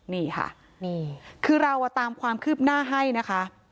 นี่ค่ะนี่คือเราตามความคืบหน้าให้นะคะ